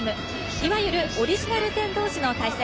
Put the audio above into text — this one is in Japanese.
いわゆるオリジナル１０同士の対戦。